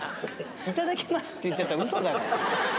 「いただけます？」って言っちゃったらうそだから。